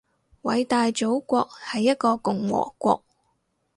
偉大祖國係一個共和國